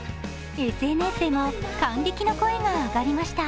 ＳＮＳでも感激の声が上がりました。